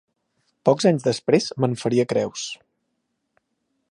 Pocs anys després, me'n faria creus.